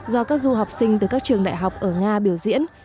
do các du học sinh từ các trường đại học ở nga biểu diễn